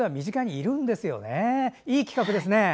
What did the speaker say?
いい企画ですね。